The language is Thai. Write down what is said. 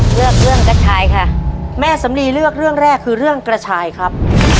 เลือกเรื่องกระชายค่ะแม่สำลีเลือกเรื่องแรกคือเรื่องกระชายครับ